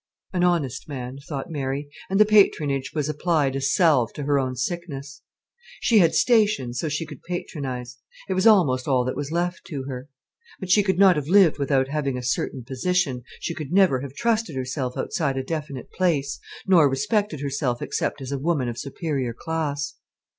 "An honest man," thought Mary. And the patronage was applied as salve to her own sickness. She had station, so she could patronize: it was almost all that was left to her. But she could not have lived without having a certain position. She could never have trusted herself outside a definite place, nor respected herself except as a woman of superior class.